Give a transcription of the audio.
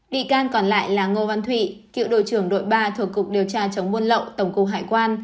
bị can còn lại là ngô văn thụy cựu đội trưởng đội ba thuộc cục điều tra chống buôn lậu tổng cục hải quan